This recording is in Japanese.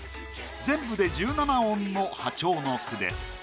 全部で１７音の破調の句です。